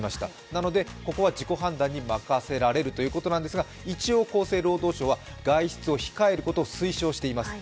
なのでここは自己判断に任せられると言うことなんですが、一応、厚生労働省は外出を控えることを推奨しています。